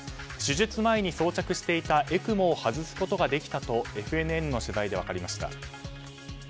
手術前に装着していたＥＣＭＯを外すことができたとＦＮＮの取材で分かりました。